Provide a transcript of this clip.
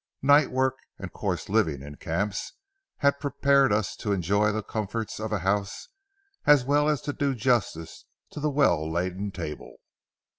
Night work and coarse living in camps had prepared us to enjoy the comforts of a house, as well as to do justice to the well laden table.